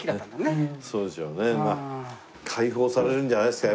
開放されるんじゃないですか？